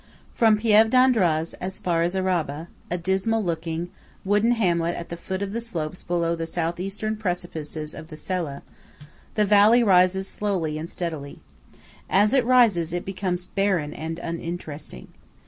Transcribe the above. From Pieve d' Andraz as far as Araba–a dismal looking wooden hamlet at the foot of the slopes below the southeastern precipices of the Sella–the valley rises slowly and steadily. As it rises, it becomes barren and uninteresting.